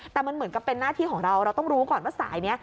แต่มันเหมือนกับเป็นหน้าที่ของเราเราต้องรู้ก่อนว่าสายนี้